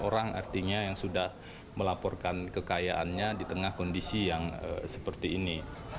orang artinya yang sudah melaporkan kekayaannya di tengah kondisi yang seperti ini